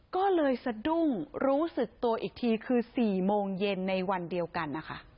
ก็เลยสะดุ้งรู้สึกตัวอีกทีคือ๔โมงเย็นในวันเดียวกันนะคะ